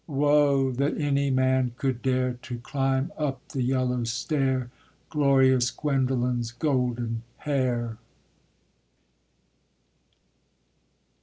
WOE! THAT ANY MAN COULD DARE TO CLIMB UP THE YELLOW STAIR, GLORIOUS GUENDOLEN'S GOLDEN HAIR.